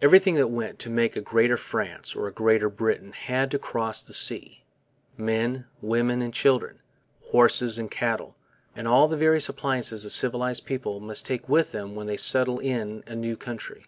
Everything that went to make a Greater France or a Greater Britain had to cross the sea men, women, and children, horses and cattle, all the various appliances a civilized people must take with them when they settle in a new country.